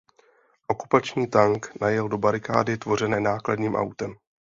Okupační tank najel do barikády tvořené nákladním autem.